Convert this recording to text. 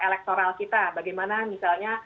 elektoral kita bagaimana misalnya